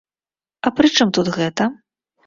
А пры чым тут гэта?